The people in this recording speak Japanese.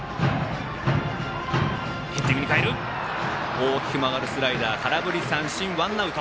大きく曲がるスライダーで空振り三振、ワンアウト。